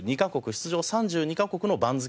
出場３２カ国の番付。